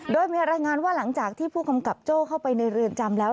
โดยมีรายงานว่าหลังจากที่ผู้กำกับโจ้เข้าไปในเรือนจำแล้ว